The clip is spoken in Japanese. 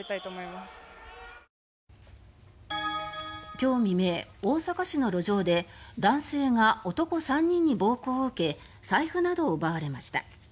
今日未明、大阪市の路上で男性が男３人に暴行を受け財布などを奪われました。